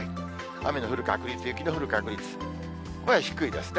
雨の降る確率、雪の降る確率、これは低いですね。